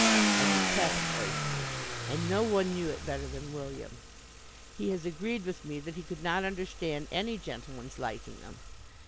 I detest oysters, and no one knew it better than William. He has agreed with me that he could not understand any gentleman's liking them.